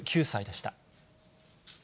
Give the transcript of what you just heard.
８９歳でした。